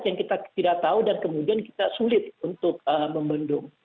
yang kita tidak tahu dan kemudian kita sulit untuk membendung